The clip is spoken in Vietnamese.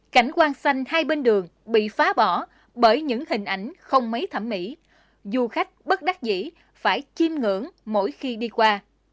cảnh quan xanh hai bên đường bị phá bỏ bởi những hình ảnh không mấy thẩm mỹ du khách bất đắc dĩ phải chiêm ngưỡng mỗi khi đi qua